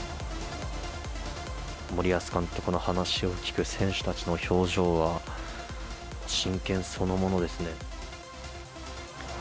森保監督の話を聞く選手たちの表情は、真剣そのものですね。